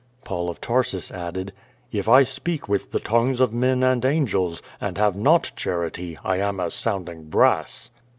Paul of Tarsus added: "If I speak with the tongues of men and angels, and have not charity, I am as sounding brass."